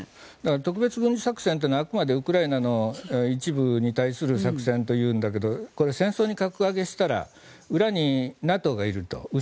特別軍事作戦というのはあくまでウクライナの一部に対する作戦というんだけど戦争に格上げしたら裏にＮＡＴＯがいると。